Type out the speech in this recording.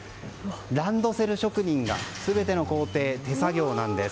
ランドセル職人が全ての工程、手作業なんです。